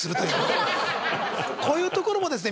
こういうところもですね